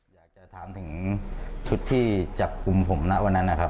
อยากจะถามถึงชุดที่จับกลุ่มผมนะวันนั้นนะครับ